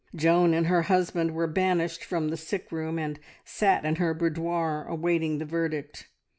Joan and her husband were banished from the sickroom, and sat in her boudoir awaiting the verdict.